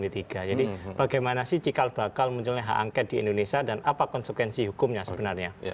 bagaimana sih cikal bakal munculnya hak angket di indonesia dan apa konsekuensi hukumnya sebenarnya